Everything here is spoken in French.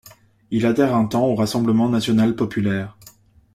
Il adhère un temps au Rassemblement national populaire.